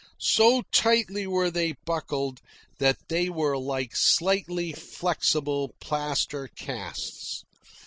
So tightly were they buckled that they were like slightly flexible plaster casts.